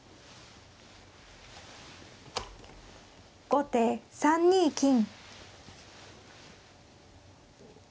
後手３二金。